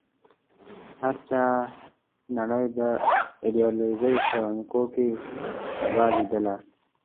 هر چا نړۍ د ایډیالوژۍ په عينکو کې تباه ليدله.